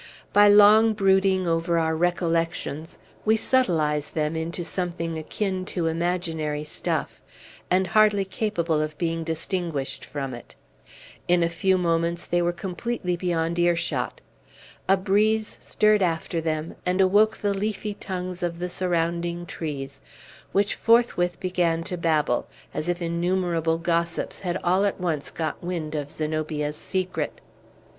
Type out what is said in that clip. By long brooding over our recollections, we subtilize them into something akin to imaginary stuff, and hardly capable of being distinguished from it. In a few moments they were completely beyond ear shot. A breeze stirred after them, and awoke the leafy tongues of the surrounding trees, which forthwith began to babble, as if innumerable gossips had all at once got wind of Zenobia's secret.